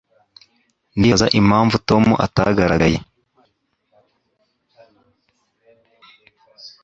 Ndibaza impamvu Tom atagaragaye